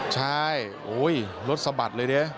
ใช่โอ้ยรถสะบัดเลยเนี่ย